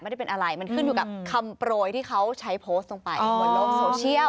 มันขึ้นอยู่กับคำโปรยที่เขาใช้โพสต์ตรงไปบนโลกโซเชียล